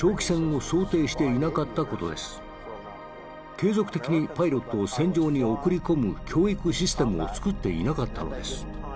継続的にパイロットを戦場に送り込む教育システムをつくっていなかったのです。